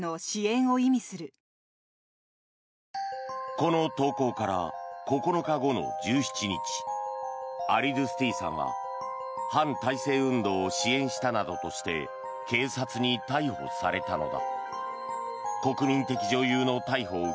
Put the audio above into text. この投稿から９日後の１７日アリドゥスティさんは反体制運動を支援したなどとして警察に逮捕されたのだ。